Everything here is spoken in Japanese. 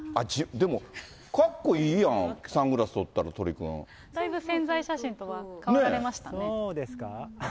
でも、かっこいいやん、サングラス取ったら、だいぶ宣材写真とは変わられそうですか？